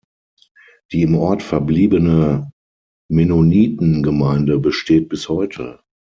Die im Ort verbliebene Mennonitengemeinde besteht bis heute.